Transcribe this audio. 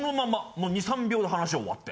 もう２３秒で話終わって。